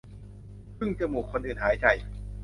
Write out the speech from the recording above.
พึ่งจมูกคนอื่นหายใจ